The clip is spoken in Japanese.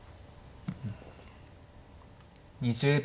２０秒。